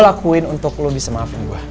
bisa gua lakuin untuk lu bisa maafin gua